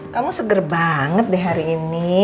kamu seger banget deh hari ini